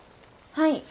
はい。